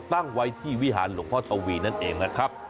ตั้งไว้ที่วิหารหลวงพ่อทวีนั่นเองนะครับ